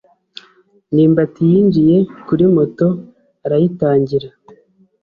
ndimbati yinjiye kuri moto arayitangira.